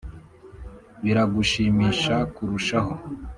biragushimisha kurushaho